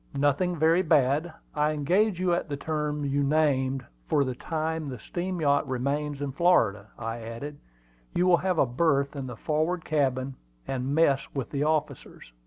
"Nothing very bad. I engage you at the terms you named for the time the steam yacht remains in Florida," I added. "You will have a berth in the forward cabin, and mess with the officers."